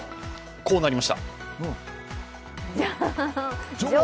こうなりました。